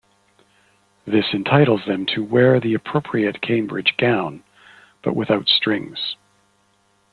This entitles them to wear the appropriate Cambridge gown, but without strings.